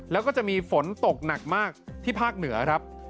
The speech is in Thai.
แล้วก็จะมีฝนตกหนักมากที่ภาคเหนือครับ